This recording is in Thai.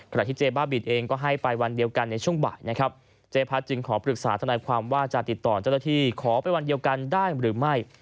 ที่เจ๊บ้าบินเองก็ให้ไปวันเดียวกันในช่วงบ่ายนะครับเจ๊พัดจึงขอปรึกษาทนายความว่าจะติดต่อเจ้าหน้าที่ขอไปวันเดียวกันได้หรือไม่